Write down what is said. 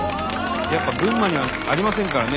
やっぱ群馬にはありませんからね